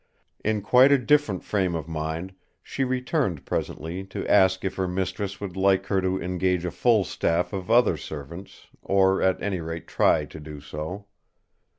In quite a different frame of mind she returned presently to ask if her mistress would like her to engage a full staff of other servants, or at any rate try to do so.